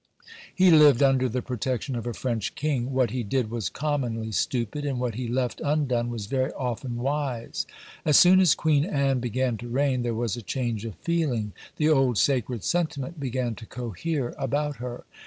He lived under the protection of a French king; what he did was commonly stupid, and what he left undone was very often wise. As soon as Queen Anne began to reign there was a change of feeling; the old sacred sentiment began to cohere about her.